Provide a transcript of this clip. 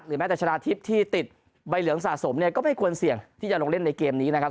แม้แต่ชนะทิพย์ที่ติดใบเหลืองสะสมเนี่ยก็ไม่ควรเสี่ยงที่จะลงเล่นในเกมนี้นะครับ